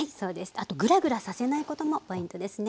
あとぐらぐらさせないこともポイントですね。